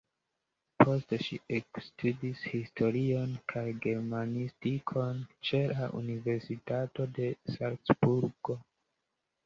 Poste ŝi ekstudis historion kaj germanistikon ĉe la universitato de Salcburgo.